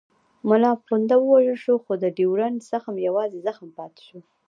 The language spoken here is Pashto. ملا پونده ووژل شو خو د ډیورنډ زخم یوازې زخم پاتې شو.